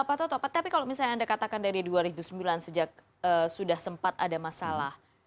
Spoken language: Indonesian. pak toto tapi kalau misalnya anda katakan dari dua ribu sembilan sejak sudah sempat ada masalah